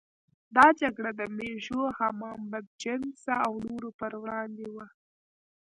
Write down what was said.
دا جګړه د مېږو، حمام بدجنسه او نورو پر وړاندې وه.